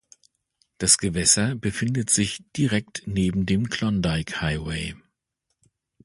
Das Gewässer befindet sich direkt neben dem Klondike Highway.